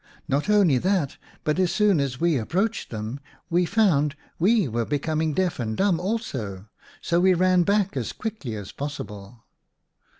Not only that, but as soon as we approached them we found we were becoming deaf and dumb also, so we ran back as quickly as possible."